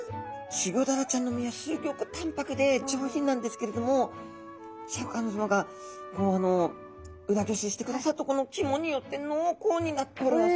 チゴダラちゃんの身はすギョく淡白で上品なんですけれどもシャーク香音さまが裏ごししてくださったこの肝によって濃厚になっております。